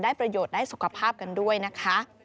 ประโยชน์ได้สุขภาพกันด้วยนะคะ